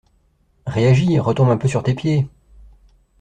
Réagis, retombe un peu sur tes pieds!